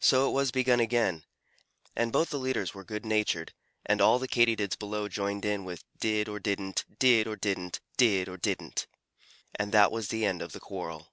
So it was begun again, and both the leaders were good natured, and all the Katydids below joined in with "did or didn't, did or didn't, did or didn't." And that was the end of the quarrel.